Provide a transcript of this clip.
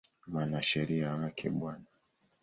Mwanasheria wake Bw.